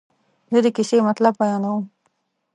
زه د کیسې مطلب بیانوم.